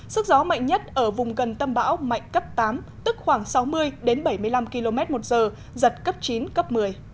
sức gió mạnh nhất ở vùng gần tâm bão mạnh cấp tám tức khoảng sáu mươi đến bảy mươi năm km một giờ giật cấp chín cấp một mươi